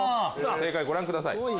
正解ご覧ください。